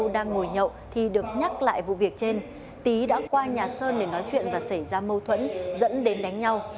đang ngồi nhậu thì được nhắc lại vụ việc trên tý đã qua nhà sơn để nói chuyện và xảy ra mâu thuẫn dẫn đến đánh nhau